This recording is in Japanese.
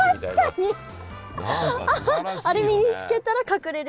あれ身に着けたら隠れれそう。